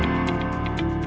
bersama melati dwi